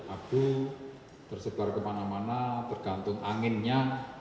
abu tersebar kemana mana tergantung anginnya